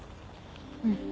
うん。